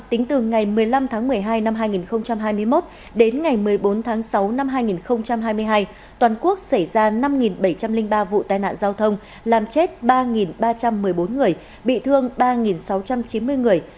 tính từ ngày một mươi năm tháng một mươi hai năm hai nghìn hai mươi một đến ngày một mươi bốn tháng sáu năm hai nghìn hai mươi hai toàn quốc xảy ra năm bảy trăm linh ba vụ tai nạn giao thông làm chết ba ba trăm một mươi bốn người bị thương ba sáu trăm chín mươi người